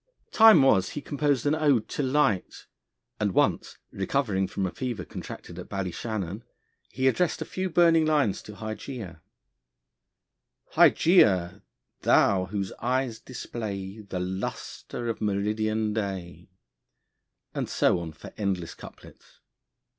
Time was he composed an ode to Light, and once recovering from a fever contracted at Ballyshannon, he addressed a few burning lines to Hygeia: Hygeia! thou whose eyes display The lustre of meridian day; and so on for endless couplets.